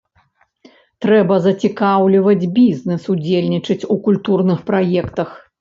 Трэба зацікаўліваць бізнэс удзельнічаць у культурных праектах.